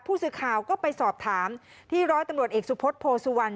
ผู้สื่อข่าวก็ไปสอบถามที่ร้อยตำรวจเอกสุพศโพสุวรรณ